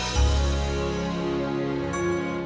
dua dua tiga